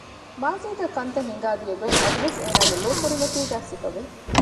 މާޒީގައި ކަންތައް ހިނގާ ދިޔަ ގޮތް އަދިވެސް އޭނާގެ ލޯ ކުރިމަތީގައި ސިފަވެ